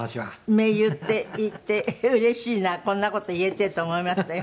名優って言ってうれしいなこんな事言えてと思いましたよ